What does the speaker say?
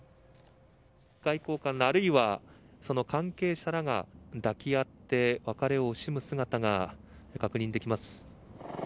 外交官らあるいはその関係者らが抱き合って別れを惜しむ姿が確認できます。